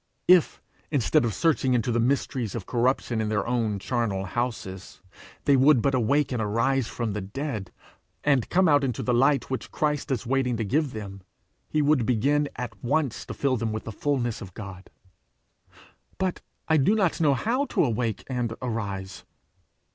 If, instead of searching into the mysteries of corruption in their own charnel houses, they would but awake and arise from the dead, and come out into the light which Christ is waiting to give them, he would begin at once to fill them with the fulness of God. 'But I do not know how to awake and arise!'